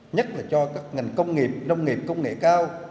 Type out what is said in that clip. nhất là cho các ngành công nghiệp nông nghiệp công nghệ cao